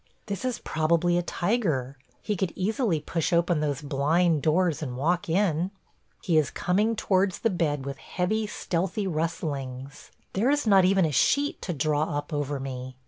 ... This is probably a tiger. He could easily push open those blind doors and walk in! ... He is coming towards the bed with heavy stealthy rustlings. There is not even a sheet to draw up over me.